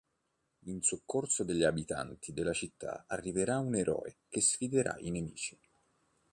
In soccorso degli abitanti della città arriverà un eroe che sfiderà i nemici.